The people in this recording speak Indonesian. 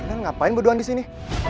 kalian ngapain berduan disini